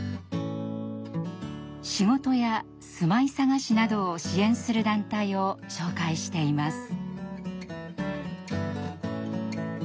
仕事や住まい探しなどを支援する団体を紹介しています。